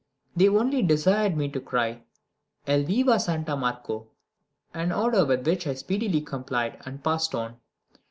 They only desired me to cry 'El viva Santo Marco', an order with which I speedily complied, and passed on.